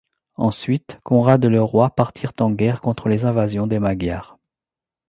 Ensuite, Conrad et le roi partirent en guerre contre les invasions des Magyars.